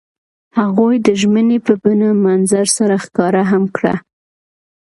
هغوی د ژمنې په بڼه منظر سره ښکاره هم کړه.